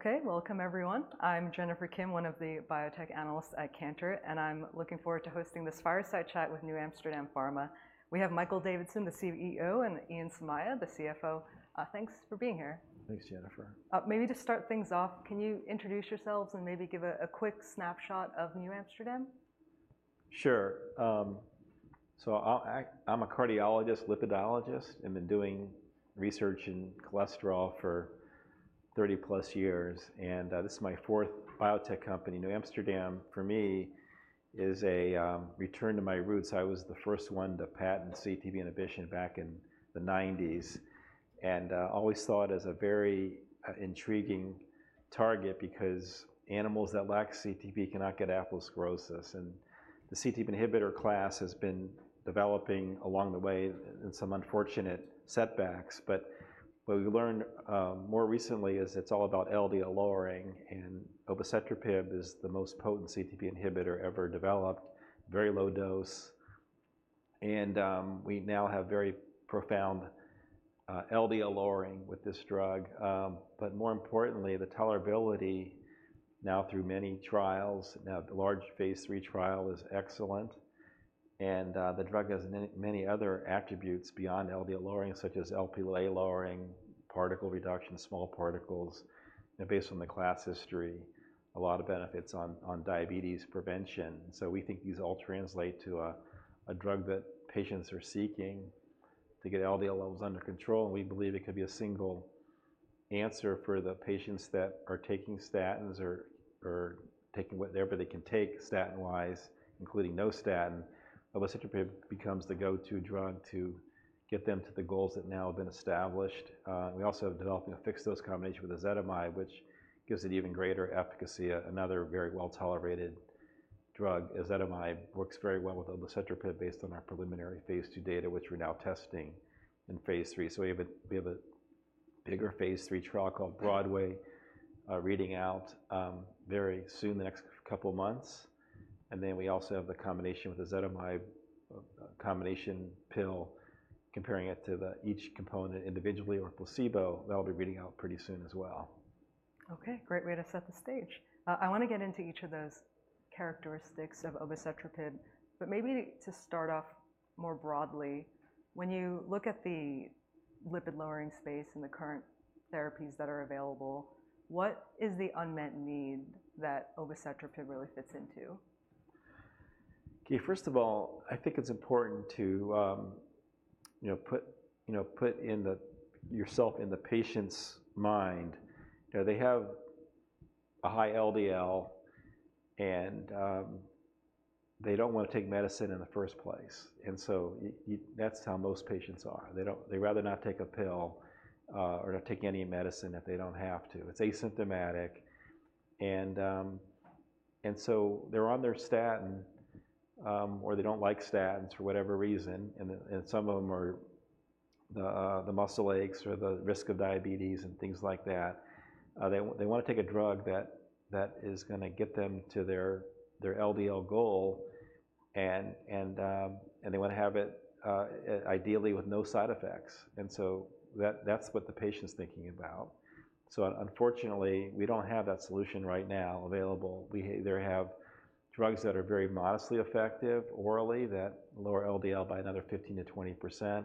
Okay, welcome everyone. I'm Jennifer Kim, one of the biotech analysts at Cantor, and I'm looking forward to hosting this fireside chat with New Amsterdam Pharma. We have Michael Davidson, the CEO, and Ian Somaiya, the CFO. Thanks for being here. Thanks, Jennifer. Maybe to start things off, can you introduce yourselves and maybe give a quick snapshot of New Amsterdam? Sure. So I'm a cardiologist, lipidologist, and been doing research in cholesterol for thirty plus years, and this is my fourth biotech company. New Amsterdam, for me, is a return to my roots. I was the first one to patent CETP inhibition back in the nineties, and always thought it as a very intriguing target because animals that lack CETP cannot get atherosclerosis, and the CETP inhibitor class has been developing along the way, and some unfortunate setbacks, but what we learned more recently is it's all about LDL lowering, and obicetrapib is the most potent CETP inhibitor ever developed. Very low dose, and we now have very profound LDL lowering with this drug. But more importantly, the tolerability now through many trials, now the large phase three trial is excellent, and the drug has many, many other attributes beyond LDL lowering, such as Lp(a) lowering, particle reduction, small particles, and based on the class history, a lot of benefits on diabetes prevention, so we think these all translate to a drug that patients are seeking to get LDL levels under control, and we believe it could be a single answer for the patients that are taking statins or taking whatever they can take statin-wise, including no statin. obicetrapib becomes the go-to drug to get them to the goals that now have been established. We also have developed a fixed-dose combination with ezetimibe, which gives it even greater efficacy. Another very well-tolerated drug, ezetimibe, works very well with obicetrapib based on our preliminary phase 2 data, which we're now testing in phase 3. So we have a bigger phase 3 trial called BROADWAY reading out very soon, the next couple months. And then we also have the combination with ezetimibe, a combination pill, comparing it to each component individually or placebo. That'll be reading out pretty soon as well. Okay, great way to set the stage. I want to get into each of those characteristics of obicetrapib, but maybe to start off more broadly, when you look at the lipid-lowering space and the current therapies that are available, what is the unmet need that obicetrapib really fits into? Okay, first of all, I think it's important to, you know, put yourself in the patient's mind. You know, they have a high LDL, and they don't want to take medicine in the first place, and so that's how most patients are. They'd rather not take a pill, or not take any medicine if they don't have to. It's asymptomatic, and so they're on their statin, or they don't like statins for whatever reason, and some of them are the muscle aches or the risk of diabetes and things like that. They want to take a drug that is gonna get them to their LDL goal, and they want to have it, ideally with no side effects. And so that, that's what the patient's thinking about. So unfortunately, we don't have that solution right now available. We either have drugs that are very modestly effective orally, that lower LDL by another 15%-20%,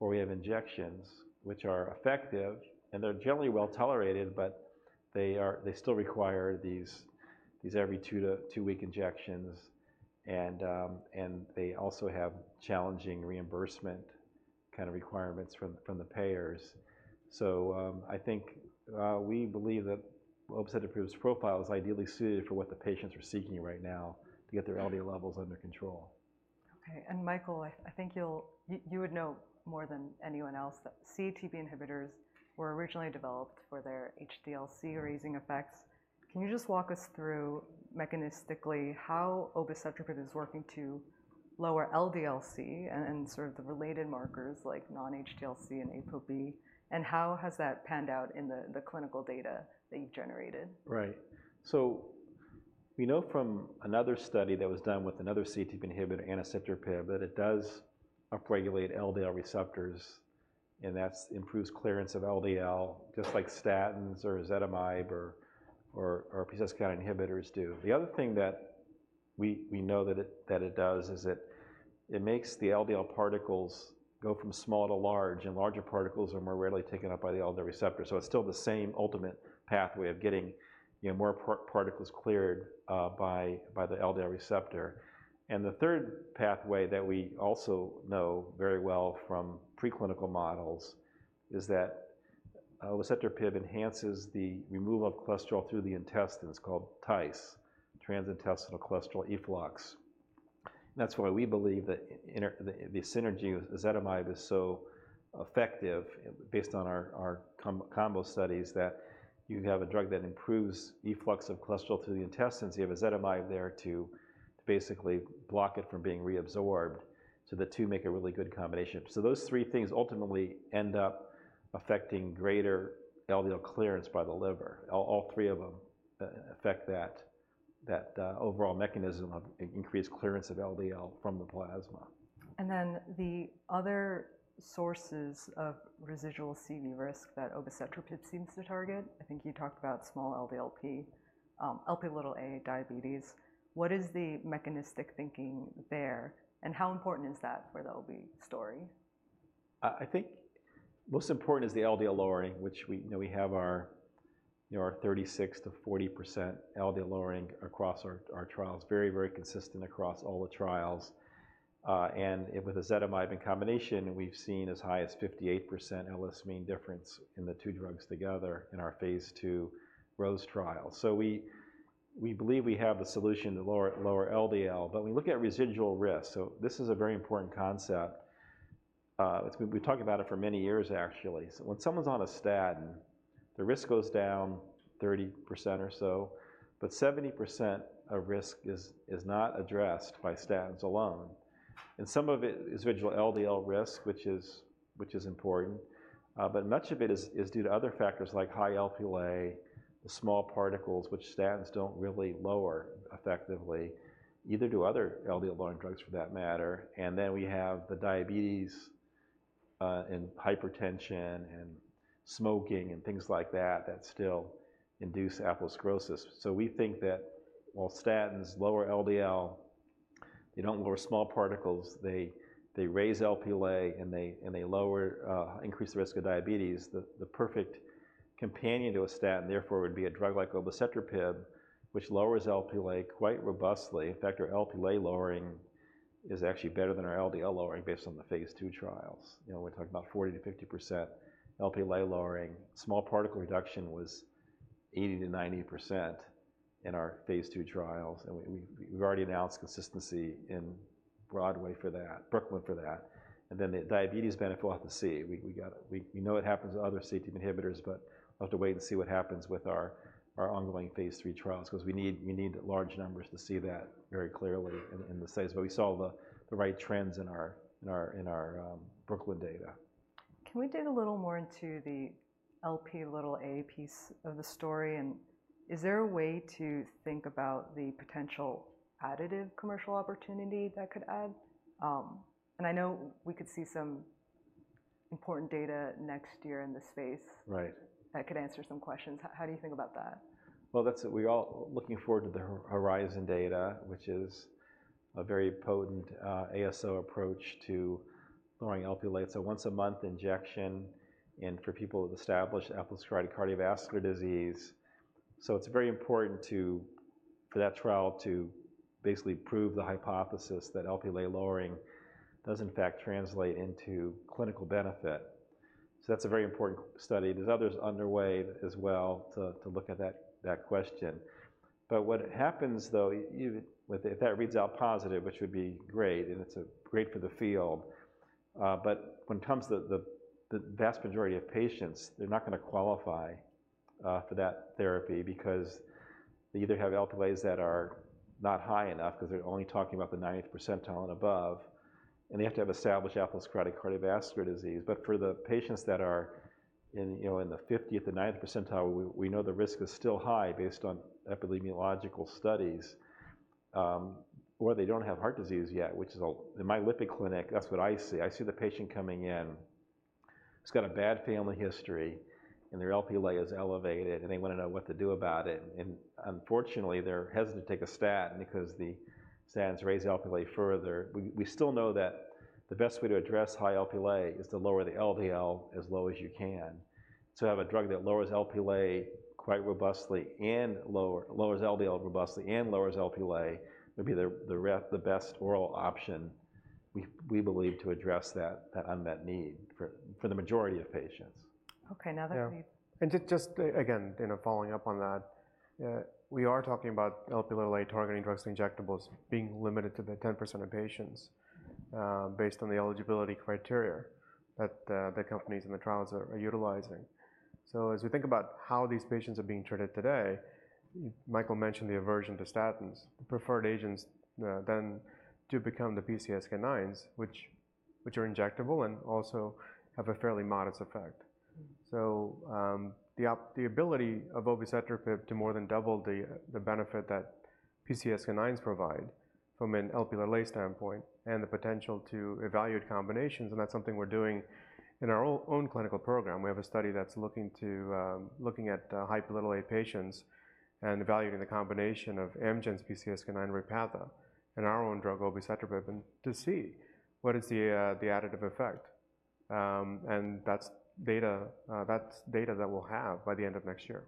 or we have injections, which are effective, and they're generally well-tolerated, but they still require these every two-week injections, and they also have challenging reimbursement kind of requirements from the payers. So, I think, we believe that obicetrapib's profile is ideally suited for what the patients are seeking right now to get their LDL levels under control. Okay, and Michael, I think you would know more than anyone else that CETP inhibitors were originally developed for their HDL-C raising effects. Can you just walk us through mechanistically how obicetrapib is working to lower LDL-C and sort of the related markers, like non-HDL-C and ApoB? And how has that panned out in the clinical data that you've generated? Right. So we know from another study that was done with another CETP inhibitor, anacetrapib, that it does upregulate LDL receptors, and that improves clearance of LDL, just like statins or ezetimibe or PCSK9 inhibitors do. The other thing that we know that it does is it makes the LDL particles go from small to large, and larger particles are more readily taken up by the LDL receptor. So it's still the same ultimate pathway of getting, you know, more particles cleared by the LDL receptor. And the third pathway that we also know very well from preclinical models is that obicetrapib enhances the removal of cholesterol through the intestines, called TICE, transintestinal cholesterol efflux. That's why we believe that the synergy with ezetimibe is so effective, based on our combo studies, that you have a drug that improves efflux of cholesterol through the intestines. You have ezetimibe there to basically block it from being reabsorbed, so the two make a really good combination. So those three things ultimately end up affecting greater LDL clearance by the liver. All three of them affect that overall mechanism of increased clearance of LDL from the plasma. And then the other sources of residual CV risk that obicetrapib seems to target, I think you talked about small LDL-P, Lp(a), diabetes. What is the mechanistic thinking there, and how important is that for the OB story? I think most important is the LDL lowering, which we, you know, we have our, you know, our 36%-40% LDL lowering across our trials. Very, very consistent across all the trials, and with ezetimibe in combination, we've seen as high as 58% LS mean difference in the two drugs together in our phase 2 ROSE trial. So we believe we have the solution to lower LDL, but when we look at residual risk, so this is a very important concept. It's been. We've talked about it for many years, actually. So when someone's on a statin, the risk goes down 30% or so, but 70% of risk is not addressed by statins alone, and some of it is residual LDL risk, which is important, but much of it is due to other factors like high Lp(a), the small particles, which statins don't really lower effectively, neither do other LDL lowering drugs, for that matter. And then we have the diabetes, and hypertension and smoking and things like that, that still induce atherosclerosis. So we think that while statins lower LDL, they don't lower small particles. They raise Lp(a) and they increase the risk of diabetes. The perfect companion to a statin, therefore, would be a drug like obicetrapib, which lowers Lp(a) quite robustly. In fact, our Lp lowering is actually better than our LDL lowering based on the phase II trials. You know, we're talking about 40-50% Lp lowering. Small particle reduction was 80-90% in our phase II trials, and we've already announced consistency in BROADWAY for that, BROOKLYN for that. And then the diabetes benefit, we'll have to see. We gotta... We know it happens with other CETP inhibitors, but we'll have to wait and see what happens with our ongoing phase III trials because we need large numbers to see that very clearly in the studies. But we saw the right trends in our BROOKLYN data. Can we dig a little more into the Lp(a) piece of the story? And is there a way to think about the potential additive commercial opportunity that could add? And I know we could see some important data next year in this space- Right. That could answer some questions. How do you think about that? That's... We're all looking forward to the HORIZON data, which is a very potent ASO approach to lowering Lp(a). It's a once-a-month injection, and for people with established atherosclerotic cardiovascular disease. So it's very important for that trial to basically prove the hypothesis that Lp(a) lowering does in fact translate into clinical benefit. So that's a very important study. There's others underway as well to look at that question. But what happens, though, if that reads out positive, which would be great, and it's great for the field, but when it comes to the vast majority of patients, they're not gonna qualify for that therapy because they either have Lp(a) that are not high enough, because they're only talking about the ninetieth percentile and above, and they have to have established atherosclerotic cardiovascular disease. But for the patients that are in, you know, in the fiftieth to ninetieth percentile, we know the risk is still high based on epidemiological studies, or they don't have heart disease yet. In my lipid clinic, that's what I see. I see the patient coming in who's got a bad family history, and their Lp(a) is elevated, and they want to know what to do about it. And unfortunately, they're hesitant to take a statin because the statins raise the Lp(a) further. We still know that the best way to address high Lp(a) is to lower the LDL as low as you can. To have a drug that lowers Lp quite robustly and lowers LDL robustly and lowers Lp would be the best oral option, we believe, to address that unmet need for the majority of patients. Okay, now that we- Yeah. And just again, you know, following up on that, we are talking about Lp(a)-targeting drugs, injectables being limited to the 10% of patients based on the eligibility criteria that the companies and the trials are utilizing. So as we think about how these patients are being treated today, Michael mentioned the aversion to statins. The preferred agents then do become the PCSK9s, which are injectable and also have a fairly modest effect. So the ability of obicetrapib to more than double the benefit that PCSK9s provide from an Lp(a) standpoint and the potential to evaluate combinations, and that's something we're doing in our own clinical program. We have a study that's looking at high Lp(a) patients and evaluating the combination of Amgen's PCSK9 Repatha and our own drug, obicetrapib, to see what is the additive effect, and that's data that we'll have by the end of next year.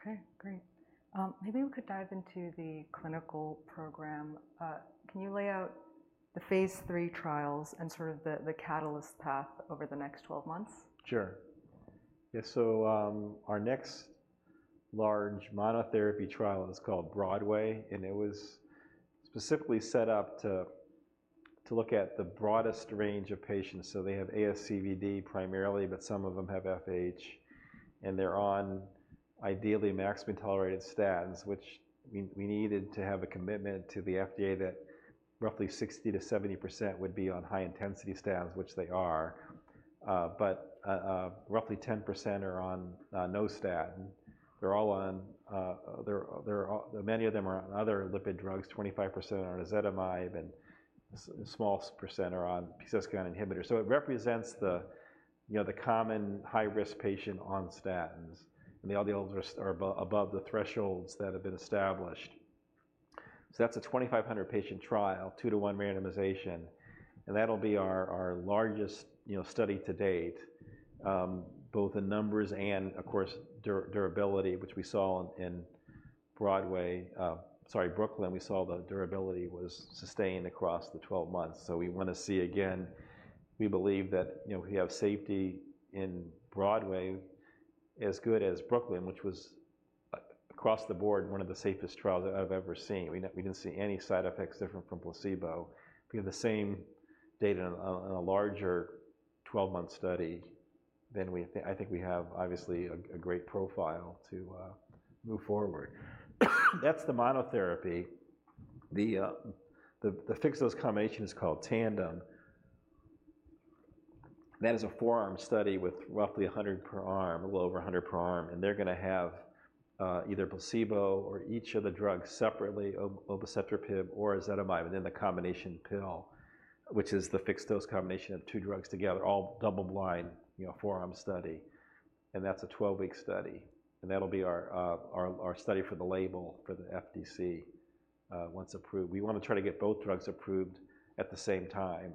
Okay, great. Maybe we could dive into the clinical program. Can you lay out the phase III trials and sort of the catalyst path over the next 12 months? Sure. Yeah, so our next large monotherapy trial is called BROADWAY, and it was specifically set up to look at the broadest range of patients. So they have ASCVD primarily, but some of them have FH, and they're on, ideally, maximum-tolerated statins, which we needed to have a commitment to the FDA that roughly 60%-70% would be on high-intensity statins, which they are. But roughly 10% are on no statin. Many of them are on other lipid drugs, 25% are on ezetimibe, and a small percent are on PCSK9 inhibitor. So it represents the, you know, the common high-risk patient on statins, and the LDLs are above the thresholds that have been established. That's a 2,500-patient trial, 2-to-1 randomization, and that'll be our largest, you know, study to date, both in numbers and, of course, durability, which we saw in BROADWAY. Sorry, BROOKLYN, we saw the durability was sustained across the 12 months. We want to see again. We believe that, you know, we have safety in BROADWAY as good as BROOKLYN, which was across the board, one of the safest trials I've ever seen. We didn't see any side effects different from placebo. If we have the same data on a larger 12-month study, then I think we have obviously a great profile to move forward. That's the monotherapy. The fixed-dose combination is called TANDEM. That is a four-arm study with roughly a hundred per arm, a little over a hundred per arm, and they're gonna have either placebo or each of the drugs separately, obicetrapib or ezetimibe, and then the combination pill, which is the fixed-dose combination of two drugs together, all double blind, you know, four-arm study, and that's a 12-week study. And that'll be our study for the label for the FDC once approved. We want to try to get both drugs approved at the same time,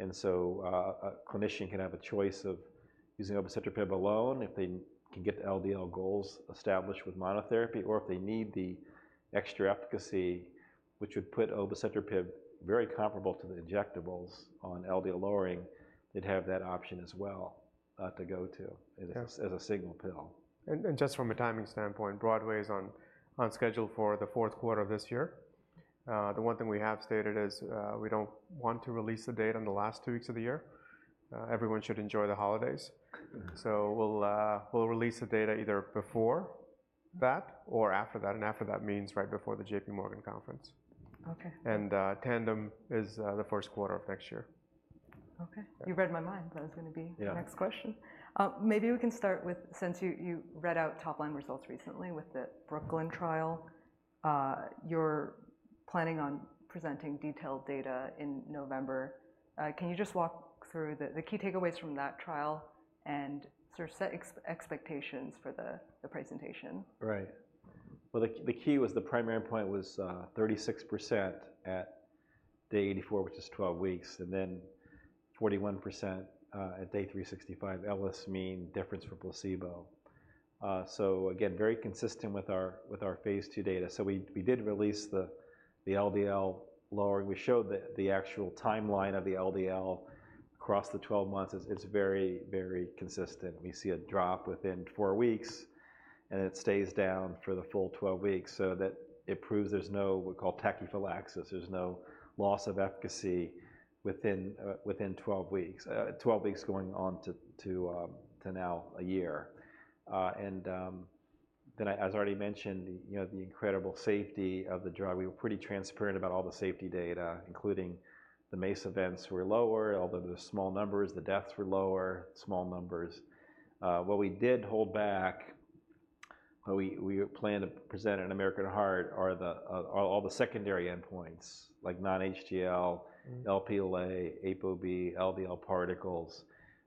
and so a clinician can have a choice of using obicetrapib alone, if they can get the LDL goals established with monotherapy, or if they need the extra efficacy, which would put obicetrapib very comparable to the injectables on LDL lowering, they'd have that option as well, to go to- Yes... as a single pill. Just from a timing standpoint, BROADWAY is on schedule for the fourth quarter of this year. The one thing we have stated is, we don't want to release the data in the last two weeks of the year. Everyone should enjoy the holidays. We'll release the data either before that or after that, and after that means right before the JP Morgan conference. Okay. TANDEM is the first quarter of next year. Okay. You read my mind. That was gonna be- Yeah - the next question. Maybe we can start with, since you read out top-line results recently with the Brooklyn trial, you're planning on presenting detailed data in November. Can you just walk through the key takeaways from that trial and sort of set expectations for the presentation? Right. Well, the key was the primary point was 36% at day 84, which is 12 weeks, and then 41% at day 365, LS mean difference for placebo. So again, very consistent with our phase II data. So we did release the LDL lowering. We showed the actual timeline of the LDL across the 12 months. It's very, very consistent. We see a drop within 4 weeks, and it stays down for the full 12 weeks, so that it proves there's no, we call tachyphylaxis. There's no loss of efficacy within 12 weeks going on to now a year. And then as I already mentioned, you know, the incredible safety of the drug. We were pretty transparent about all the safety data, including the MACE events were lower, although the small numbers, the deaths were lower, small numbers. What we did hold back, what we plan to present at American Heart are the all the secondary endpoints, like non-HDL- Mm-hmm. Lp(a), ApoB, LDL particles.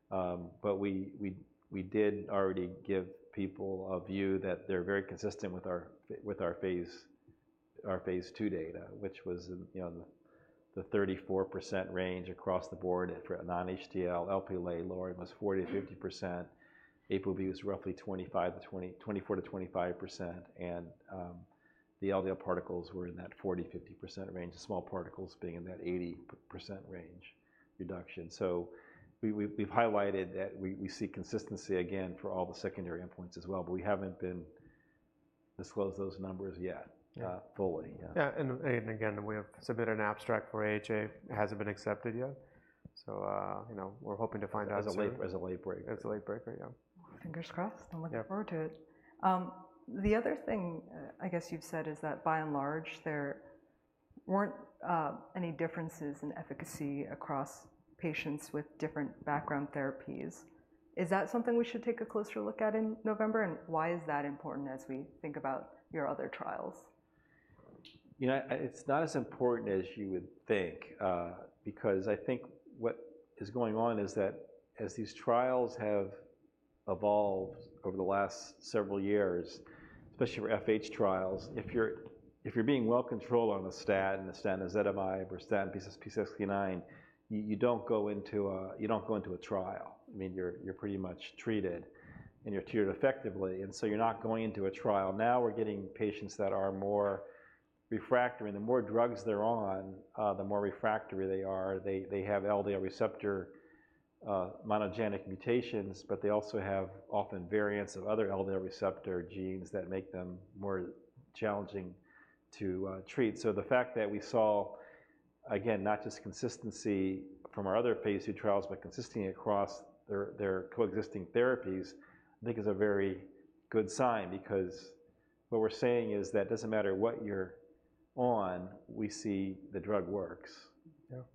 But we did already give people a view that they're very consistent with our phase II data, which was, you know, the 34% range across the board for non-HDL. Lp(a) lowering was 40%-50%. ApoB was roughly 24%-25%, and the LDL particles were in that 40%-50% range, the small particles being in that 80% range reduction. So we've highlighted that we see consistency again for all the secondary endpoints as well, but we haven't disclosed those numbers yet. Yeah... fully. Yeah. Yeah, and again, we have submitted an abstract for AHA. It hasn't been accepted yet, so, you know, we're hoping to find out soon. As a late breaker. As a late breaker, yeah. Fingers crossed. Yeah. I'm looking forward to it. The other thing, I guess you've said is that, by and large, there weren't any differences in efficacy across patients with different background therapies. Is that something we should take a closer look at in November, and why is that important as we think about your other trials? You know, it's not as important as you would think, because I think what is going on is that as these trials have evolved over the last several years, especially for FH trials, if you're being well controlled on the statin, the statin ezetimibe or statin PCSK9, you don't go into a trial. I mean, you're pretty much treated, and you're treated effectively, and so you're not going into a trial. Now, we're getting patients that are more refractory. The more drugs they're on, the more refractory they are. They have LDL receptor monogenic mutations, but they also have often variants of other LDL receptor genes that make them more challenging to treat. So the fact that we saw, again, not just consistency from our other phase II trials, but consistency across their coexisting therapies, I think is a very good sign because what we're saying is that it doesn't matter what you're on, we see the drug works.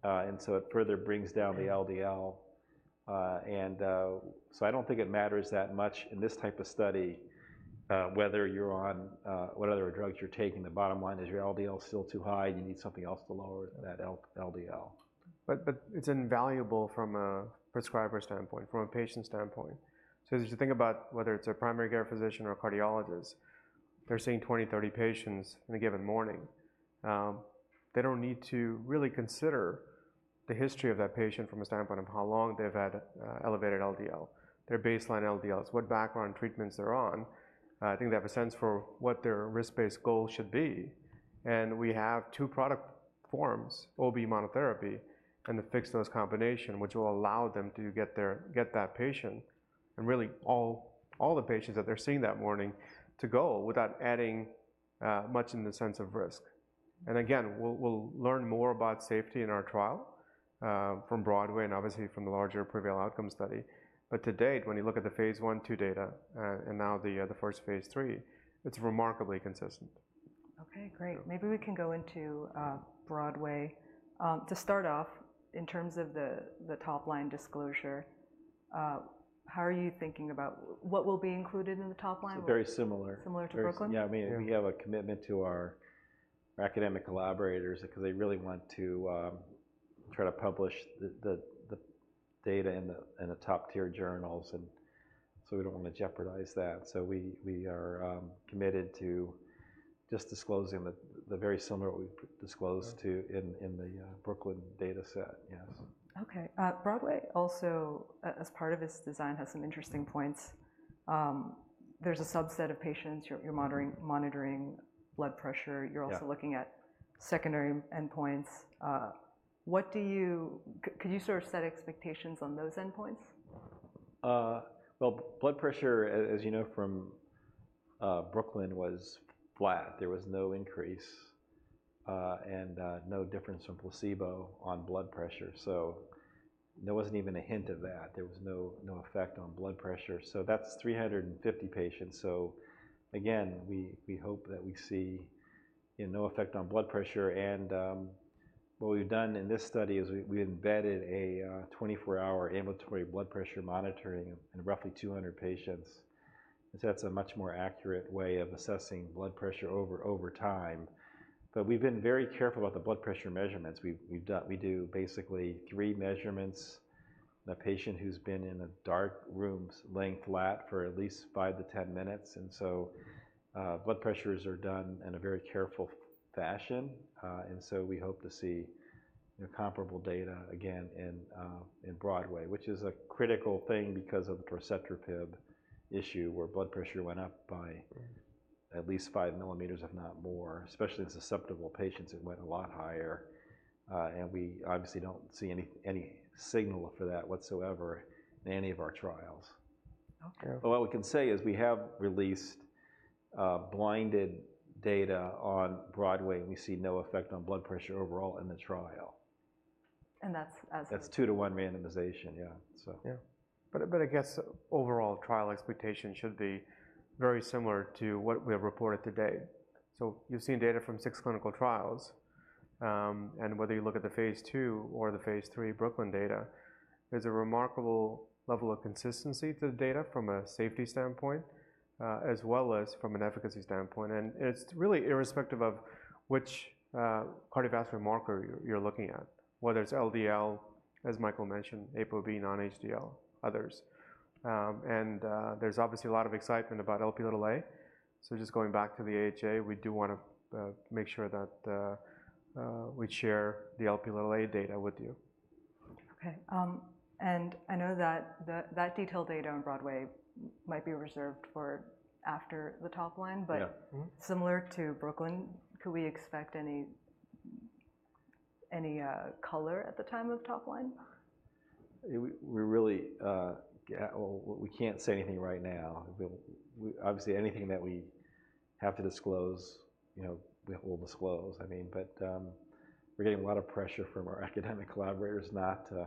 Yeah. And so it further brings down the LDL. And so I don't think it matters that much in this type of study whether you're on what other drugs you're taking. The bottom line is your LDL is still too high, and you need something else to lower that LDL. But, but it's invaluable from a prescriber standpoint, from a patient standpoint. So as you think about whether it's a primary care physician or a cardiologist, they're seeing 20, 30 patients in a given morning. They don't need to really consider the history of that patient from a standpoint of how long they've had elevated LDL, their baseline LDLs, what background treatments they're on. I think they have a sense for what their risk-based goal should be, and we have two product forms, ApoB monotherapy and the fixed-dose combination, which will allow them to get their-- get that patient, and really all, all the patients that they're seeing that morning, to goal, without adding much in the sense of risk. And again, we'll, we'll learn more about safety in our trial from BROADWAY and obviously from the larger PREVAIL outcome study. But to date, when you look at the phase I and II data, and now the first phase III, it's remarkably consistent. Okay, great. Yeah. Maybe we can go into BROADWAY. To start off, in terms of the top-line disclosure, how are you thinking about... What will be included in the top line? So very similar. Similar to BROOKLYN? Yeah. Yeah. I mean, we have a commitment to our academic collaborators because they really want to try to publish the data in the top-tier journals, and so we don't want to jeopardize that. So we are committed to just disclosing the very similar to what we disclosed in the BROOKLYN data set. Yes. Okay. BROADWAY also, as part of its design, has some interesting points. There's a subset of patients you're monitoring blood pressure. Yeah. You're also looking at secondary endpoints. Could you sort of set expectations on those endpoints? Blood pressure, as you know from BROOKLYN, was flat. There was no increase, and no difference from placebo on blood pressure. So there wasn't even a hint of that. There was no effect on blood pressure. So that's 350 patients. So again, we hope that we see, you know, no effect on blood pressure. And what we've done in this study is we embedded a 24-hour ambulatory blood pressure monitoring in roughly 200 patients. So that's a much more accurate way of assessing blood pressure over time. But we've been very careful about the blood pressure measurements. We do basically three measurements. The patient who's been in a dark room, laying flat for at least five to 10 minutes, and so blood pressures are done in a very careful fashion. And so we hope to see, you know, comparable data again in BROADWAY, which is a critical thing because of the precursor torcetrapib issue, where blood pressure went up by at least five millimeters, if not more. Especially in susceptible patients, it went a lot higher. And we obviously don't see any signal for that whatsoever in any of our trials. Okay. Yeah. But what we can say is we have released, blinded data on BROADWAY, and we see no effect on blood pressure overall in the trial. And that's as- That's two-to-one randomization. Yeah. So... Yeah, but I guess overall trial expectation should be very similar to what we have reported today, so you've seen data from six clinical trials, and whether you look at the phase II or the phase III BROOKLYN data, there's a remarkable level of consistency to the data from a safety standpoint, as well as from an efficacy standpoint, and it's really irrespective of which cardiovascular marker you're looking at, whether it's LDL, as Michael mentioned, ApoB, non-HDL, others, and there's obviously a lot of excitement about Lp(a), so just going back to the AHA, we do want to make sure that we share the Lp(a) data with you. Okay, and I know that detailed data on BROADWAY might be reserved for after the top line but- Yeah. Mm-hmm. Similar to BROOKLYN, could we expect any color at the time of top line? We really. Well, we can't say anything right now. Obviously, anything that we have to disclose, you know, we will disclose. I mean, but, we're getting a lot of pressure from our academic collaborators not to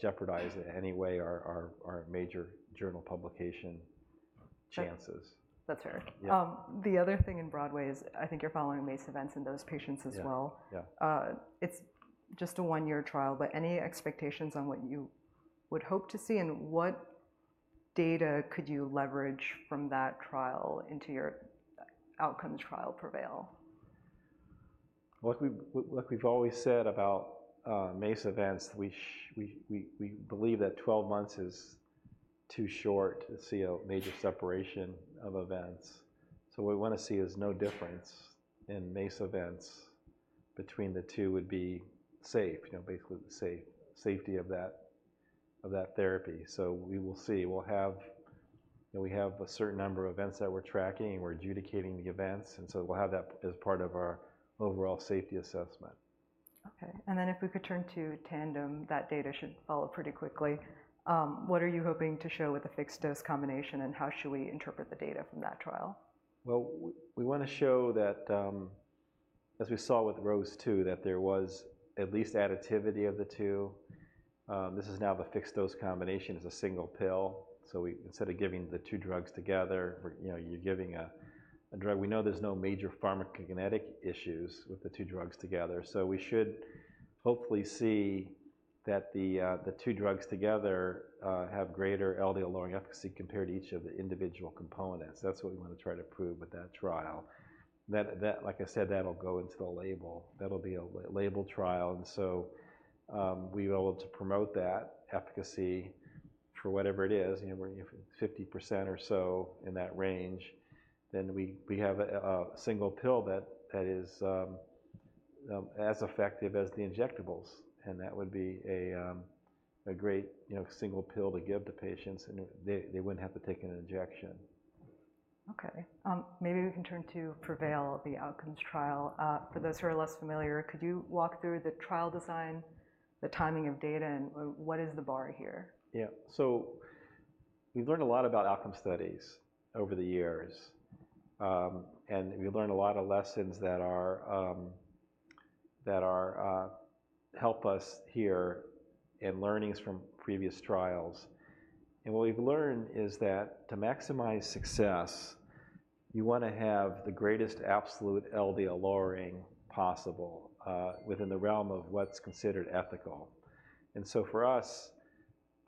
jeopardize in any way our major journal publication chances. That's fair. Yeah. The other thing in BROADWAY is I think you're following MACE events in those patients as well. Yeah. Yeah. It's just a one-year trial, but any expectations on what you would hope to see, and what data could you leverage from that trial into your outcome trial PREVAIL? Like we've always said about MACE events, we believe that twelve months is too short to see a major separation of events. So what we want to see is no difference in MACE events between the two would be safe, you know, basically safe, safety of that therapy. So we will see. We'll have. You know, we have a certain number of events that we're tracking, and we're adjudicating the events, and so we'll have that as part of our overall safety assessment. Okay, and then if we could turn to TANDEM, that data should follow pretty quickly. What are you hoping to show with the fixed-dose combination, and how should we interpret the data from that trial? We want to show that, as we saw with ROSE2, that there was at least additivity of the two. This is now the fixed-dose combination as a single pill. So we, instead of giving the two drugs together, we're, you know, you're giving a drug. We know there's no major pharmacokinetic issues with the two drugs together, so we should hopefully see that the two drugs together have greater LDL-lowering efficacy compared to each of the individual components. That's what we want to try to prove with that trial. That, like I said, that'll go into the label. That'll be an open-label trial, and so, we'll be able to promote that efficacy for whatever it is, you know, where if it's 50% or so in that range, then we have a single pill that is as effective as the injectables, and that would be a great, you know, single pill to give to patients, and they wouldn't have to take an injection. Okay. Maybe we can turn to PREVAIL, the outcomes trial. For those who are less familiar, could you walk through the trial design, the timing of data, and what is the bar here? Yeah. So we've learned a lot about outcome studies over the years. And we've learned a lot of lessons that help us here in learnings from previous trials. And what we've learned is that to maximize success, you want to have the greatest absolute LDL lowering possible within the realm of what's considered ethical. And so for us,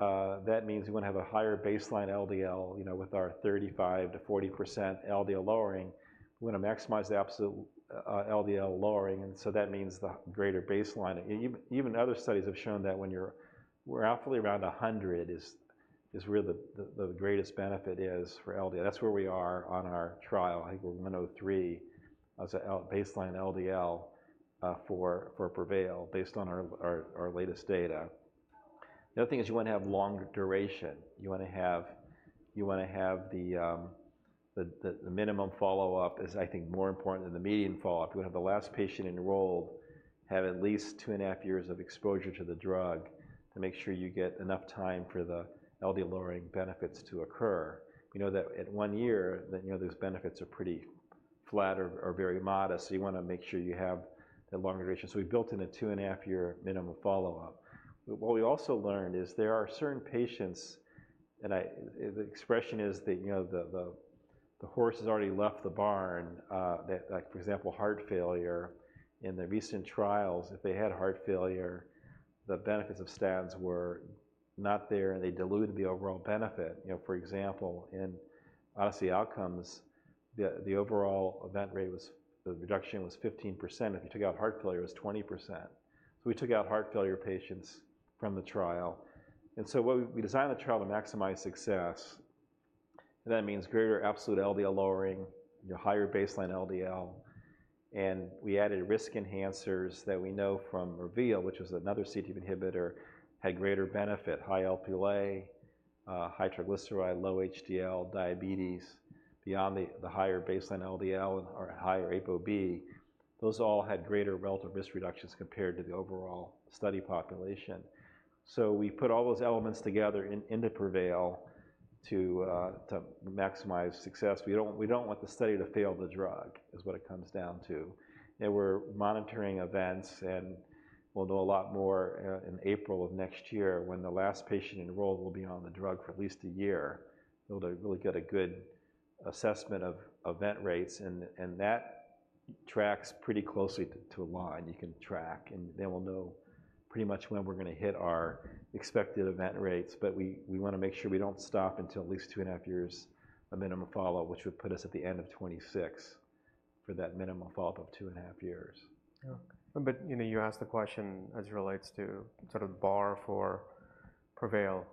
that means you want to have a higher baseline LDL, you know, with our 35%-40% LDL lowering. We want to maximize the absolute LDL lowering, and so that means the greater baseline. Even other studies have shown that when you're roughly around 100 is where the greatest benefit is for LDL. That's where we are on our trial. I think we're 103 as baseline LDL for PREVAIL, based on our latest data. The other thing is you want to have longer duration. You want to have the minimum follow-up is, I think, more important than the median follow-up. You want to have the last patient enrolled have at least two and a half years of exposure to the drug to make sure you get enough time for the LDL-lowering benefits to occur. You know that at one year, you know, those benefits are pretty flat or very modest, so you want to make sure you have the longer duration. So we built in a two-and-a-half-year minimum follow-up. But what we also learned is there are certain patients that I... The expression is that, you know, the horse has already left the barn. That, like, for example, heart failure. In the recent trials, if they had heart failure, the benefits of statins were not there, and they diluted the overall benefit. You know, for example, in ODYSSEY OUTCOMES, the overall event rate was, the reduction was 15%. If you took out heart failure, it was 20%. So we took out heart failure patients from the trial. And so what we designed the trial to maximize success, that means greater absolute LDL lowering, you know, higher baseline LDL, and we added risk enhancers that we know from REVEAL, which was another CETP inhibitor, had greater benefit, high Lp(a), high triglyceride, low HDL, diabetes, beyond the higher baseline LDL or higher ApoB. Those all had greater relative risk reductions compared to the overall study population. So we put all those elements together into PREVAIL to maximize success. We don't, we don't want the study to fail the drug, is what it comes down to. We're monitoring events, and we'll know a lot more in April of next year when the last patient enrolled will be on the drug for at least a year. We'll be able to really get a good assessment of event rates, and that tracks pretty closely to a line you can track. Then we'll know pretty much when we're going to hit our expected event rates. We want to make sure we don't stop until at least two and a half years of minimum follow-up, which would put us at the end of 2026 for that minimum follow-up of two and a half years. Yeah. But, you know, you asked the question as it relates to sort of bar for PREVAIL.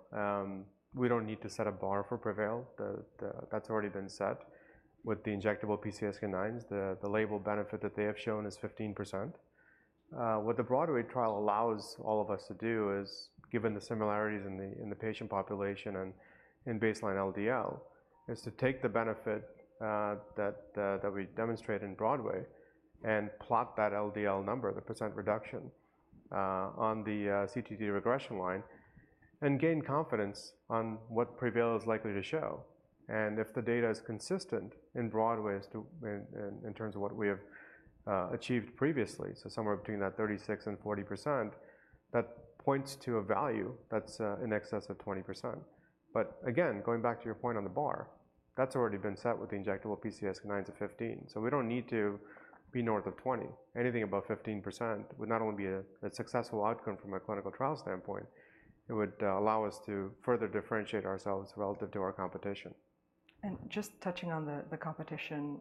We don't need to set a bar for PREVAIL. That's already been set with the injectable PCSK9s. The label benefit that they have shown is 15%. What the BROADWAY trial allows all of us to do is, given the similarities in the patient population and in baseline LDL, is to take the benefit we demonstrate in BROADWAY and plot that LDL number, the percent reduction, on the CTT regression line and gain confidence on what PREVAIL is likely to show. If the data is consistent in BROADWAY in terms of what we have achieved previously, so somewhere between 36% and 40%, that points to a value that's in excess of 20%. But again, going back to your point on the bar, that's already been set with the injectable PCSK9 to 15%. So we don't need to be north of 20%. Anything above 15% would not only be a successful outcome from a clinical trial standpoint, it would allow us to further differentiate ourselves relative to our competition. Just touching on the competition,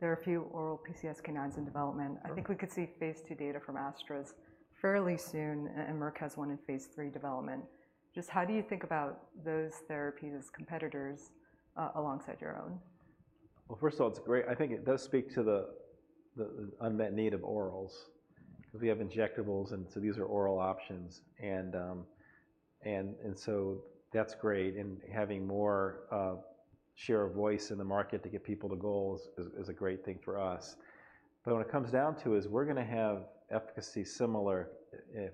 there are a few oral PCSK9s in development. Sure. I think we could see phase two data from AstraZeneca fairly soon, and Merck has one in phase three development. Just how do you think about those therapies as competitors alongside your own? First of all, it's great. I think it does speak to the unmet need of orals. We have injectables, and so these are oral options, and so that's great. And having more share of voice in the market to get people to goals is a great thing for us. But when it comes down to is we're gonna have efficacy similar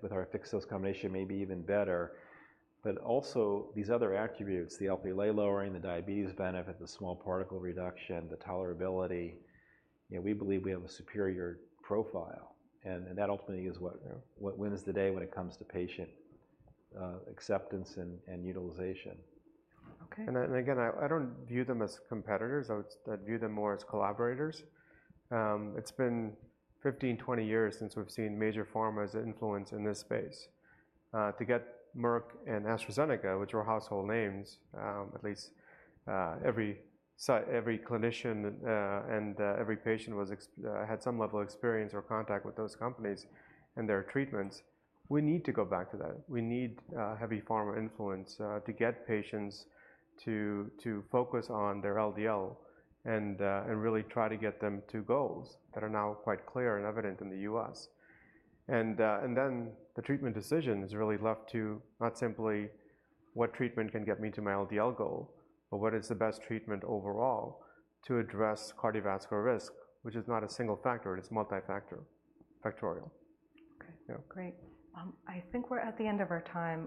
with our fixed-dose combination, maybe even better, but also these other attributes, the Lp(a) lowering, the diabetes benefit, the small particle reduction, the tolerability, you know, we believe we have a superior profile, and that ultimately is what wins the day when it comes to patient acceptance and utilization. Okay. I don't view them as competitors. I would view them more as collaborators. It's been 15-20 years since we've seen major pharma's influence in this space. To get Merck and AstraZeneca, which are household names, at least every clinician and every patient had some level of experience or contact with those companies and their treatments, we need to go back to that. We need heavy pharma influence to get patients to focus on their LDL and really try to get them to goals that are now quite clear and evident in the US. Then the treatment decision is really left to not simply what treatment can get me to my LDL goal, but what is the best treatment overall to address cardiovascular risk, which is not a single factor. It's multifactorial. Okay. Yeah. Great. I think we're at the end of our time.